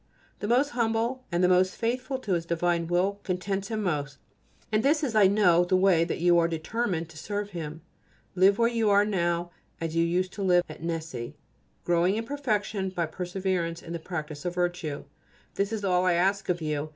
The most humble and the most faithful to His divine will contents Him most, and this is, I know, the way in which you are determined to serve Him. Live where you now are as you used to live at Nessy, growing in perfection by perseverance in the practice of virtue. This is all I ask of you.